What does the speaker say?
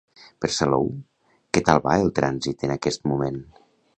Per Salou, què tal va el trànsit en aquest moment?